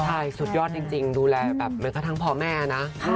ใช่สุดยอดจริงดูแลแบบแม้กระทั่งพ่อแม่นะ